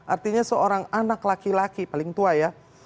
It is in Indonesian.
artinya seorang anak laki laki paling tua ya